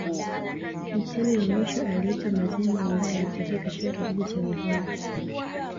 Mtemi wa mwisho aliitwa Mazengo ambaye alitokea katika kijiji cha Mvumi